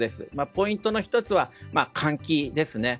ポイントの１つは換気ですね。